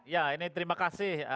ya ini terima kasih